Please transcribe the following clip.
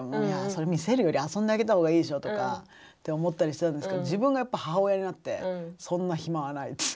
いやそれ見せるより遊んであげた方がいいでしょとかって思ったりしてたんですけど自分がやっぱ母親になってそんな暇はない。